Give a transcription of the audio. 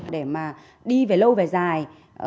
để mà đi về lâu về dài